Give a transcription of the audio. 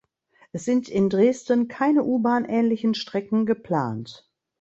Es sind in Dresden keine U-Bahn-ähnlichen Strecken geplant.